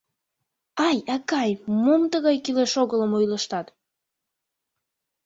— Ай, акай, мом тыгай кӱлеш-огылым ойлыштат.